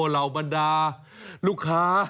เหล่าบรรดาลูกค้า